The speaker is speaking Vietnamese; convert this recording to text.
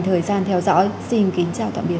thời gian theo dõi xin kính chào tạm biệt